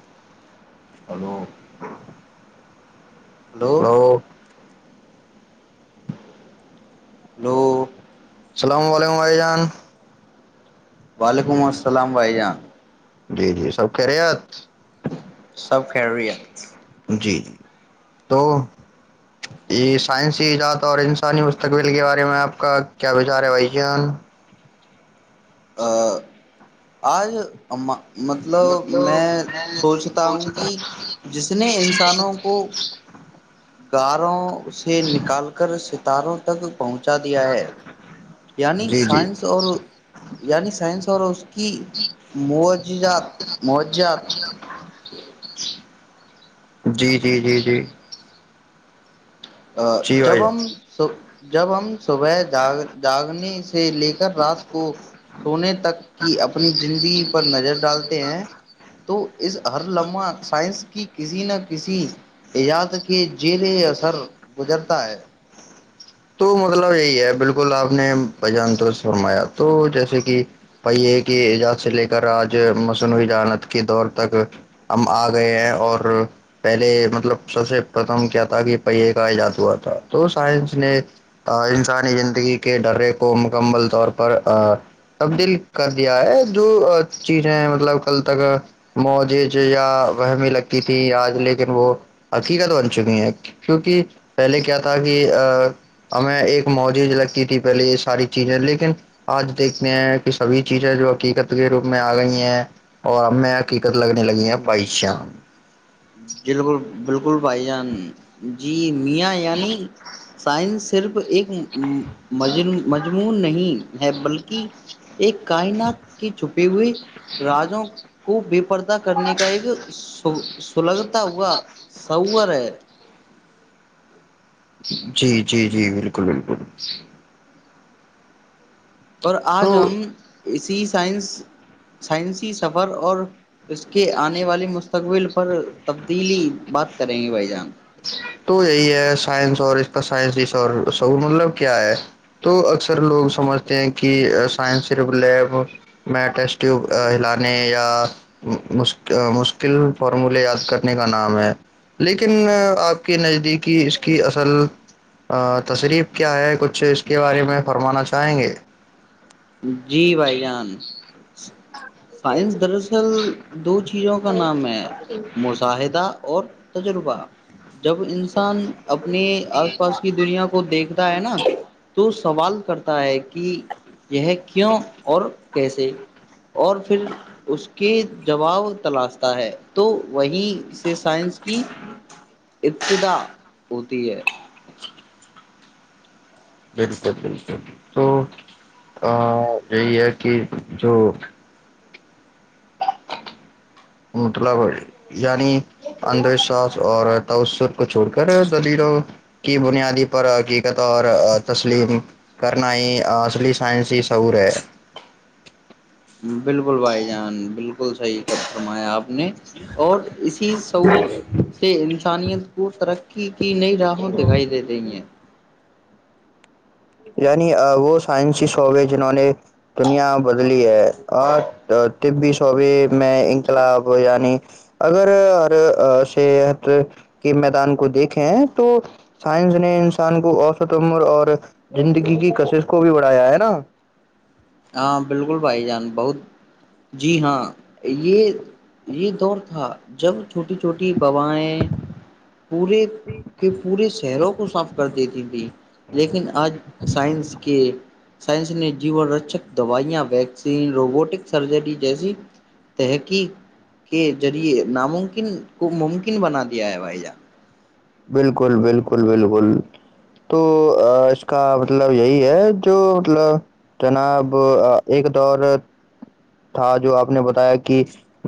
[unintelligible] [unintelligible] hello [unintelligible] السلام علیکم رائیجان وعلیکم السلام بھیا جی جی سب کہہ رہے سب خر رہی ہے جی جی تو یہ سائنسی ایجاد اور انسانی مستقبل کے بارے میں آپ کا کیا وچار ہے بھ جان اچھا آج ام مطلب میں سوچتا ہوں کہ جس نے انسانوں کو غاروں سے نکال کر س [unintelligible] تک پہنچا دیا ہے یعنی جی جی سائنس اور یعنی سائنس اور اس کی موجات موجات [unintelligible] جی جی جی جی ا جی جب بھائی جان ہم س جب ہم صبح جگ جاگنے سے لے کر رات کو سونے تک کی اپنی زندگی پر نظر ڈالتے ہیں تو اس ہر لمحہ سائنس کی کسی نہ کسی ایجاد کہ جیلے س گزرتا ہے تو مطلب یہی ہے بالکل آپ نے ان فرمایا تو جیسے کہ پہیے کی ایجاد سے لے کر آج مصنوعی جانت کے دور تک ہم آ گئے ہیں اور پہلے مطلب سب سے پرتھم کیا تھا کہ پہیے کا ایجاد ہوا تھا تو سائنس نے انسانی زندگی کے ڈرے کو مکمل طور پر تبدیل کر دیا ہے جو چیزیں مطلب کل تک موجج یا وہحمی لگتی تھی آج لیکن وہ حقیقت بن چکی ہیں کیونکہ پہلے کیا تھا کہ ہمیں ایک موج لگتی تھی پہلے یہ ساری چیزیں لیکن آج دیکھتے ہیں کہ سبھی چیزیں جو حقیقت کے روپ میں آ گئی ہیں اور ہمیں حقیقت لگنے لگی ہیں بائی شان بالکل بالکل بھائی جان جی [unintelligible] جی میاں یعنی سائنس صرف ایک مجنوں مجنون نہیں ہے بلکہ ایک کائنات کی چھپی ہوئی راجوں کو بے پردہ کرنے کا ایک سو سلگتا ہوا سوار ہیں جی جی جی بالکل بالکل اور تو آج ہم اسی سائنس سائنسی سفر اور اس کے آنے والے مستقبل پر تبدیلی بات کریں گے بھائی جان تو یہی ہے سائنس اور اس کا سائنس سعور مطلب کیا ہے تو اکثر لوگ سمجھتے ہیں کہ سائنس صرف لیب میں ٹیسٹ ٹیوب لانےیا مشکل فارمولےیا کرنے کا نام ہے لیکن آپ کے نزدیکی اس کی اصل تصریف کیا ہے کچھ اس کے بارے میں فرمانا چاہیں گے جی بھائی جان سائنس دراصل دو چیزوں کا نام ہے مشاہدہ اور تجربہ جب انسان اپنے آس پاس کی دنیا کو دیکھتا ہے نا تو سوال کرتا ہے کہ یہ ہے کیوں اور کیسے اور پھر اس کی جواب تلاشتا ہے تو وہیں سے سائنس کی ابتدا ہوتی ہے بالکل بالکل تو یہی ہے کہ جو مطلب یعنی اندھ وشواس اور تاسس کو چھوڑ کر دلیلوں کی بنیادی پر حقیقت اور تسلیم کرنا ہی اصلی سائنسی سعور ہے بالکل بھائی جان بالکل بالکل صحیح فرمایا آپ نے اور اسی سعور سے انسانیت کو ترقی کہ کہ نئی رہو دکھائی دے دی ہیں یعنی وہ سائنسسٹ ہو گئے جنہوں نے دنیا بدلی ہے [unintelligible] طبی صوبے میں انقلاب یعنی اگر ہر صحت کے میدان کو دیکھیں تو سائنس نے انسان کو اوسط عمر اور زندگی کی کشش کو بھی بڑھایا ہے نا ہاں بالکل بھائی جان بہت جی ہاں یہ یہ دور تھا جب چھوٹی چھوٹی بابائے پورے کے پورے شہروں کو صاف کرتی تھیں جی لیکن آج سائنس کے سائنس نے جیون رکشہ دوائیاں ویکسین روبوٹک سرجری جیسی تحقیق کے ذریعے ناممکن کو ممکن بنا دیا ہے بھائی جان بالکل بالکل بالکل تو اس کا مطلب یہی ہے جو مطلب جناب ایک دور تھا جو آپ نے بتایا کہ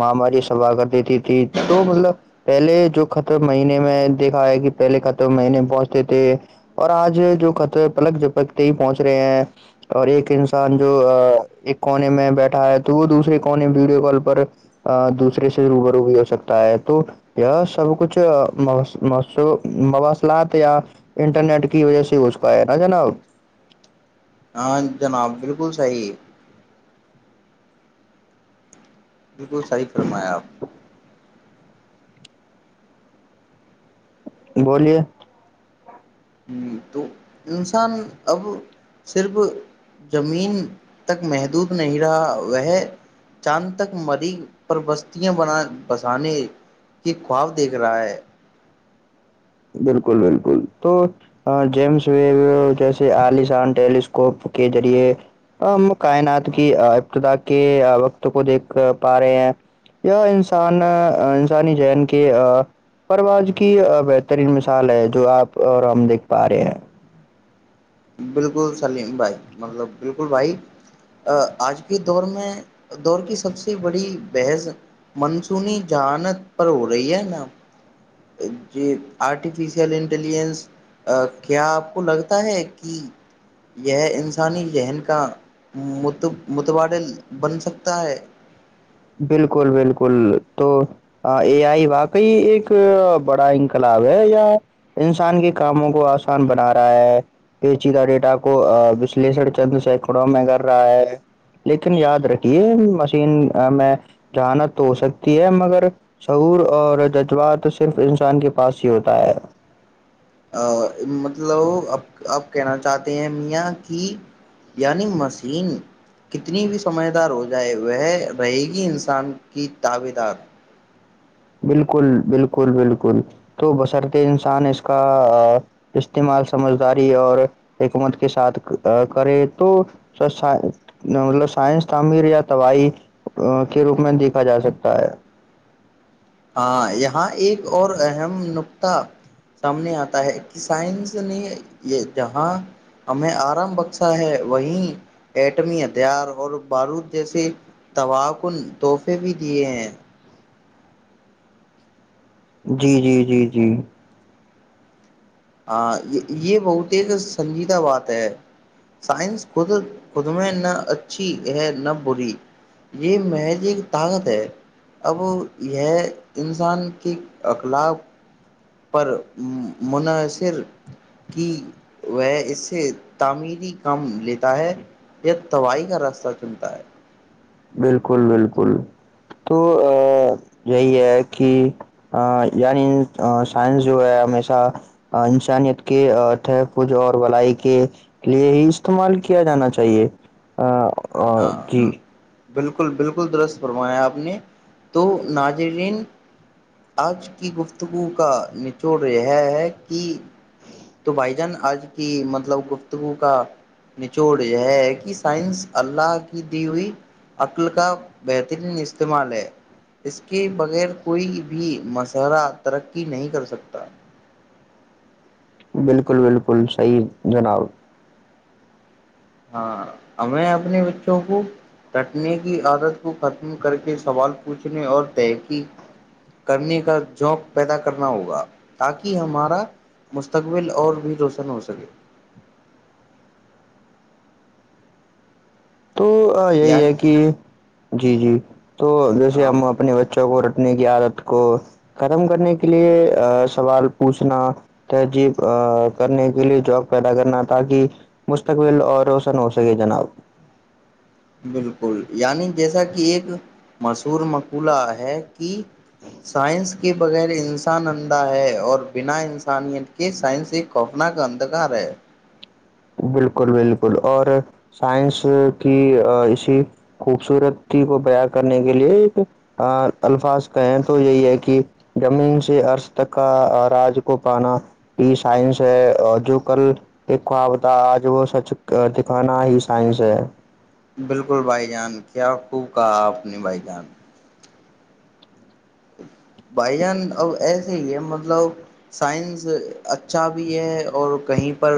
مہاماری صفحہ کر دیتی تھی تو مطلب پہلے جو خت مہینے میں دیکھا ہے کہ پہلے خط مہینے پہنچتے تھے اور آج جو خط پلک جپکتے ہی پہنچ رہے ہیں اور ایک انسان جو ایک کونے میں بیٹھا ہے تو وہ دوسرے کونے ویڈیو کال پر دوسرے سے روبرو بھی ہو سکتا ہے تو یہ سب کچھ مواصلات یا انٹرنیٹ کی وجہ سے ہوچکا ہے نا جناب ہاں جناب بالکل صی بالکل صحیح فرمایا آپ بولیے ہ تو انسان اب صرف زمین تک محدود نہیں رہا وہ چاند تک مری پر بستیاں بنا بسانے کی خواب دیکھ رہا ہے بالکل بالکل تو جیمس ویب جیس عالسان ٹیلیسکوپ کے ذریعے ہم کائنات کی ابتدا کے وقت کو دیکھ پا رہے ہیں یا انسان انسانی جذن کے پرواز کی ترین مثال ہے جو آپ اور ہم دیکھ پا رہے ہیں بالکل سلیم بھائی مطلب بالکل بھائی آج کے دور میں دور کی سب سے بڑی بحث منصونی جہانت پر ہو رہی ہے نا ج آرٹیفیشیل انٹیلیجنس کیا آپ کو لگتا ہے کہ یہ انسانی ذہن کا متبادل بن سکتا ہے بالکل بالکل تو اے آئی واقعی ایک بڑا انقلاب ہے یا انسان کے کاموں کو آسان بنا رہا ہے پیچیدہ ڈیٹا کو وشلیشن چند سیکڑوں میں کر رہا ہے لیکن یاد رکھیے مشین میں جہانت تو ہو سکتی ہے مگر سعور اور جذبات صرف انسان کے پاس ہی ہوتا ہے ا مطلب اب آپ کہنا چاہتے ہیں میاں کی یعنی مشین کتنی بھی سمجھدار ہو جائے وہ رہے گی انسان کی تاب دار بالکل بالکل بالکل تو بصرط انسان اس کا استعمال سمجھداری اور حکمت کے ساتھ کرے تو مطلب سائنس تعمیر یا توباہ کے روپ میں دیکھا جا سکتا ہے ہاں یہاں ایک اور اہم نکتہ سامنے آتا ہے کہ سائنس نے یہ جہاں ہمیں آرام بخشا ہے وہیں ایٹمی ہتھیار اور بارود جیسے توکن تحفے بھی دیے ہیں جی جی جی جی ہاں یہ بہت ایک سنجیدہ بات ہے سائنس خود خود میں نہ اچھی ہے نہ بری یہ محض ایک طاقت ہے اب یہ انسان کے اخلاق پر منحصر کی وہ اس سے تعمیری کام لیتا ہے یا توائی کا راستہ چنتا ہے بالکل بالکل تو یہی ہے کہ یعنی سائنس جو ہے ہمیشہ انسانیت کے تحفظ اور ولائی کے لیے ہی استعمال کیا جانا چاہیے اور ہاں جی بالکل بالکل درست فرمایا آپ نے تو ناجرین آج کی گفتگو کا نچوڑ یہ ہے کہ تو بھائی جان آج کی مطلب گفتگو کا نچوڑ یہ ہے کہ سائنس اللہ کی دی ہوئی عقل کا بہترین استعمال ہے اس کے بغیر کوئی بھی مشرہ ترقی نہیں کر سکتا بالکل بالکل صحیح جناب ہاں ہمیں اپنے بچوں کو رٹنے کی عادت کو ختم کر کے سوال پوچھنے اور تحقیق کرنے کا جووک پیدا کرنا ہوگا تاکہ ہمارا مستقبل اور بھی روشن ہو سکے تو یہی ہے یعنی کہ جی جی تو جیسے ہم اپنے بچوں کو اپنے کی عادت کو ختم کرنے کے لیے سوال پوچھنا تہذیب کرنے کے لیے جواب پیدا کرنا تاکہ مستقبل اور روشن ہو سکے جناب بالکل یعنی جیسا کہ ایک مشہور مقولہ ہے کہ سائنس کے بغیر انسان اندھا ہے اور بنا انسانیت کے سائنس ایک خوفنا کا اندھکار ہے بالکل بالکل اور سائنس کی اسی خوبصورتی کو بیاں کرنے کے لیے ایک الفاظ کہیں تو یہی ہے کہ زمین سے عرض تک کا راج کو پانا یہ سائنس ہے جو کل ایک خو آج وہ سچ دکھانا ہی سائنس ہے بالکل بھائی جان کیا خوب کہا آپ نے بھائی جان بھائی جان اب ایسے ہی ہے مطلب سائنس اچھا بھی ہے اور کہیں پر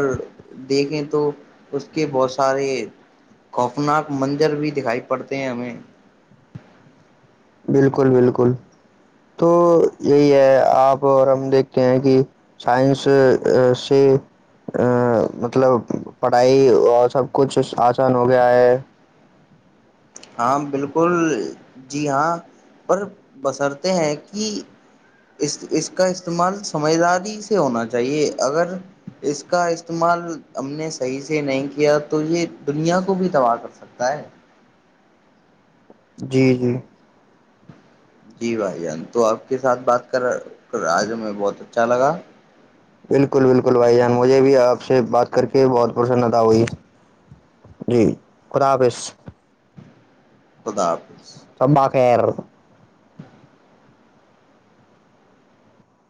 دیکھیں تو اس کے بہت سارے خوفناک منظر بھی دکھائی پڑتے ہیں ہمیں بالکل بالکل تو یہی ہے آپ اور ہم دیکھتے ہیں کہ سائنس سے ا مطلب پڑھائی اور سب کچھ آسان ہو گیا ہے ہاں بالکل جی ہاں پر بسرتے ہیں کہ اس اس کا استعمال سمجھداری سے ہونا چاہیے اگر اس کا استعمال ہم نے صحیح سے نہیں کیا تو یہ دنیا کو بھی تباہ کر سکتا ہے جی جی جی بھائی جان تو آپ کے ساتھ بات کر آج میں بہت اچھا لگا بالکل بالکل بھائی جان مجھے بھی آپ سے بات کر کے بہت پرسنتا ہوئی جی خدا حافظ [unintelligible] چبااکیر